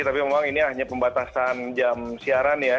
tapi memang ini hanya pembatasan jam siaran ya